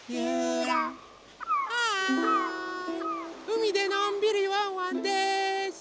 うみでのんびりワンワンです。